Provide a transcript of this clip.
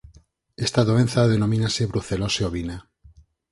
Esta doenza denomínase brucelose ovina.